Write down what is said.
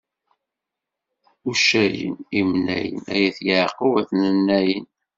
Uccayen, imnayen, ay at Yaɛqub a-ten-ayen!